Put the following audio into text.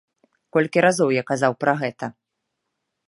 Колькі разоў я казаў пра гэта.